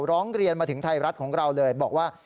ร้องเรียนมาถึงไทยรัฐของเราเลยบอกว่า